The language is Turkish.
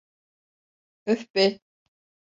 Öf be!